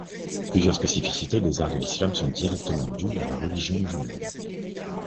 Plusieurs spécificités des arts de l'Islam sont directement dues à la religion musulmane.